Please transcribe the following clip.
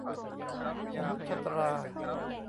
ชนุชตรา